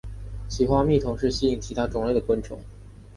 其花蜜同时吸引其他种类的昆虫。